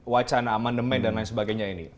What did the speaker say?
wacana amandemen dan lain sebagainya ini